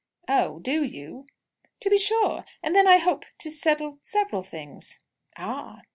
"Oh, you do?" "To be sure! And then I hope to to settle several things." "Ah!"